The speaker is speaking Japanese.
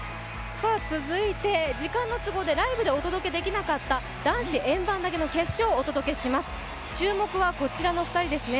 続いて時間の都合でライブでお届けできなかった男子円盤投げの決勝をお届けします、注目の２人はこちらですね。